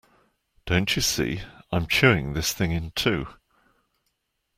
Don't you see, I'm chewing this thing in two.